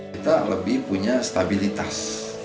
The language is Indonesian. kita lebih punya stabilitas